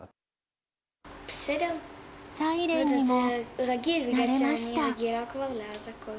サイレンにも慣れました。